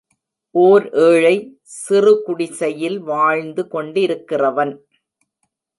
ஓர் ஏழை, சிறு குடிசையில் வாழ்ந்து கொண்டிருக்கிறவன்.